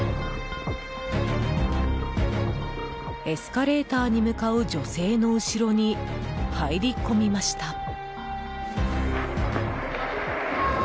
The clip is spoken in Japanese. エスカレーターに向かう女性の後ろに入り込みました。